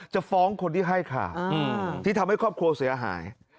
จะฟ้องคนที่ให้ค่ะที่ทำให้ครอบครัวเสียหาย